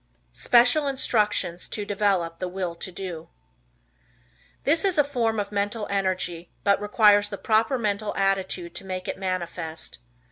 Special Instructions to Develop the Will To Do. This is a form of mental energy, but requires the proper mental attitude to make it manifest.